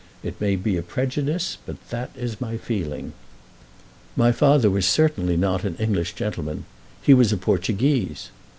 It may be a prejudice, but that is my feeling." "My father was certainly not an English gentleman. He was a Portuguese."